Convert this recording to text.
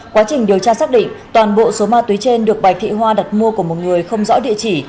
quá trình điều tra xác định toàn bộ số ma túy trên được bạch thị hoa đặt mua của một người không rõ địa chỉ